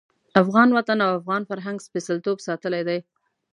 افغان وطن او افغان فرهنګ سپېڅلتوب ساتلی دی.